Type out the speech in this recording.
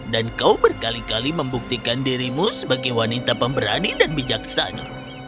dan kau berkali kali membuktikan dirimu sebagai wanita pemberani dan bijaksana